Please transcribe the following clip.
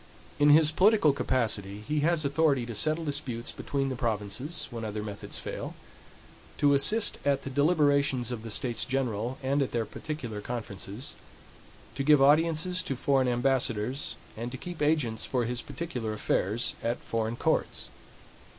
In his political capacity he has authority to settle disputes between the provinces, when other methods fail; to assist at the deliberations of the States General, and at their particular conferences; to give audiences to foreign ambassadors, and to keep agents for his particular affairs at foreign courts.